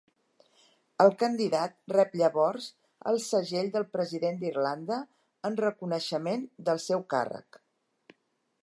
El candidat rep llavors el segell del president d'Irlanda en reconeixement del seu càrrec.